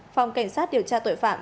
phòng cảnh sát điều tra tội phạm